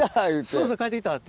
そうそう「帰ってきた」って。